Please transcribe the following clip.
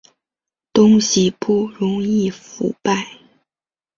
东西不容易腐败